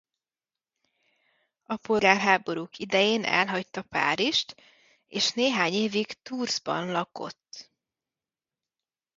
A polgárháborúk idején elhagyta Párizst és néhány évig Tours-ban lakott.